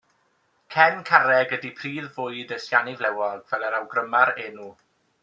Cen carreg ydy prif fwyd y siani flewog, fel yr awgryma'r enw.